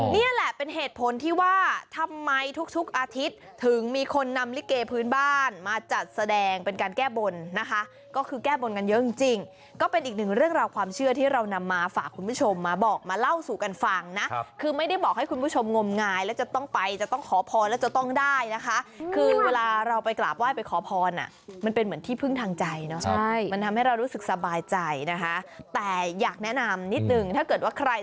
นี่แหละเป็นเหตุผลที่ว่าทำไมทุกอาทิตย์ถึงมีคนนำลิเกพื้นบ้านมาจัดแสดงเป็นการแก้บนนะคะก็คือแก้บนกันเยอะจริงก็เป็นอีกหนึ่งเรื่องราวความเชื่อที่เรานำมาฝากคุณผู้ชมมาบอกมาเล่าสู่กันฟังนะคือไม่ได้บอกให้คุณผู้ชมงมงายแล้วจะต้องไปจะต้องขอพรแล้วจะต้องได้นะคะคือเวลาเราไปกราบไหว้ไปขอพรมั